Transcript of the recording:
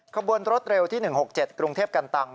ขบวนรถเร็วที่๑๖๗กรุงเทพกันตัง